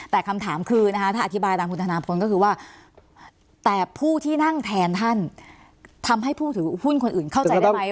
แต่คำถามคือถ้าอธิบายตามคุณธนาพลก็คือว่าแต่ผู้ที่นั่งแทนท่านทำให้ผู้ถือหุ้นคนอื่นเข้าใจได้ไหม